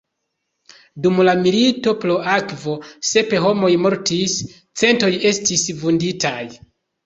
Dum la „milito pro akvo“ sep homoj mortis, centoj estis vunditaj.